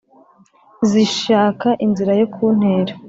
zishaka inzira yo kuntera